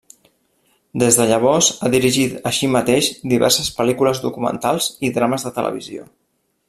Des de llavors ha dirigit així mateix diverses pel·lícules documentals i drames de televisió.